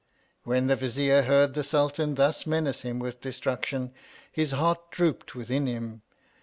When the Vizier heard the Sultan thus menace him with destruction, his heart drooped within him.